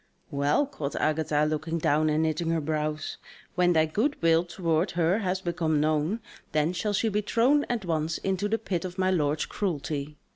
"Well," quoth Agatha looking down and knitting her brows, "when thy good will towards her has become known, then shall she be thrown at once into the pit of my lord's cruelty.